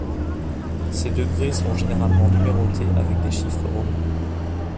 Ces degrés sont généralement numérotés avec des chiffres romains.